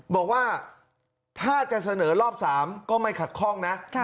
บอกว่าถ้าจะเสนอรอบ๓ก็ไม่ขัดข้องนะ